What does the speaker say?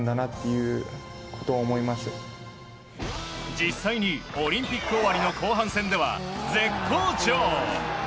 実際に、オリンピック終わりの後半戦では絶好調！